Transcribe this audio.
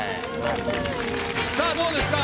さあどうですか？